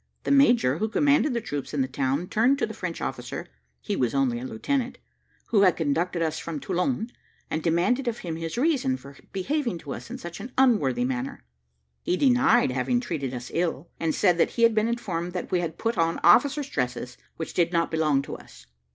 The major who commanded the troops in the town turned to the French officer (he was only a lieutenant) who had conducted us from Toulon, and demanded of him his reason for behaving to us in such an unworthy manner. He denied having treated us ill, and said that he had been informed that we had put on officers' dresses which did not belong to us.